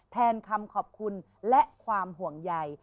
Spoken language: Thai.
แทนคำขอบคุณและความห่วงใย